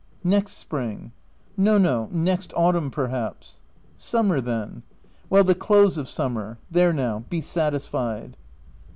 " Next spring/' " No, no — next autumn, perhaps." 6i Summer, then." " Well, the close of summer. There now ! be satisfied."